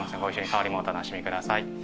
ご一緒に香りもお楽しみください。